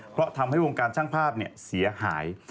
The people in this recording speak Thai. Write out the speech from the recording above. เพราะทำให้วงการช่างภาพเสียหาย